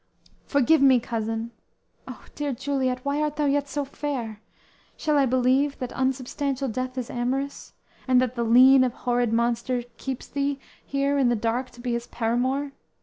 Forgive me, cousin! Ah, dear Juliet, Why art thou yet so fair? Shall I believe That unsubstantial death is amorous; And that the lean abhorred monster keeps Thee here in dark to be his paramour?